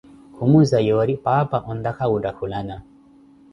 Khumuza yorri paapa ontaka wuuttakulana.